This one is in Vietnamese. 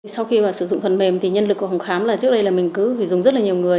sau khi mà sử dụng phần mềm thì nhân lực của phòng khám là trước đây là mình cứ phải dùng rất là nhiều người